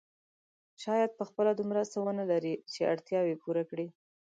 شاید په خپله دومره څه ونه لري چې اړتیاوې پوره کړي.